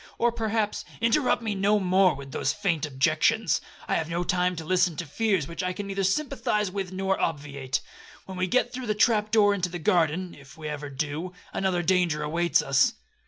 Or perhaps—' 'Interrupt me no more with those faint objections; I have no time to listen to fears which I can neither sympathise with or obviate. When we get through the trap door into the garden, (if ever we do), another danger awaits us.'